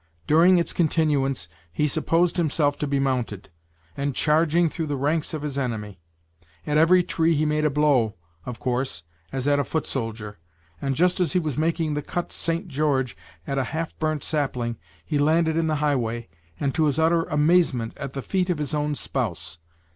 During its continuance, he supposed himself to be mounted, and charging through the ranks of his enemy. At every tree he made a blow, of course, as at a foot soldier; and just as he was making the cut "St. George" at a half burnt sapling he landed in the highway, and, to his utter amazement, at the feet of his own spouse.